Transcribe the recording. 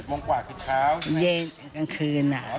๗โมงกว่าคือเช้าใช่ไหมเย็นกลางคืน